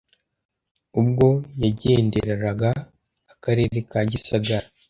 ubwo yagendereraga Akarere ka Gisagara